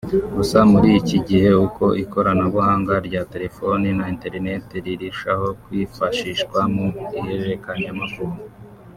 Gusa muri iki gihe uko ikoranabuhanga rya telefoni na internet rirushaho kwifashishwa mu ihererekanyamakuru